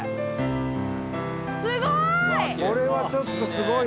すごい！